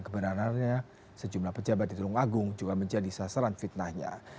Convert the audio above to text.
kebenarannya sejumlah pejabat di tulungagung juga menjadi sasaran fitnahnya